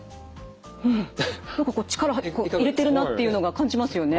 うん何かこう力入れてるなっていうのが感じますよね。